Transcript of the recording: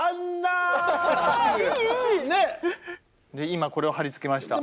今これを貼り付けました。